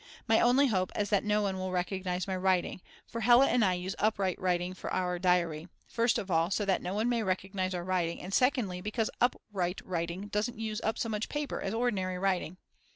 My only hope is that no one will recognise my writing, for Hella and I use upright writing for our diary, first of all so that no one may recognise our writing and secondly because upright writing doesn't use up so much paper as ordinary writing.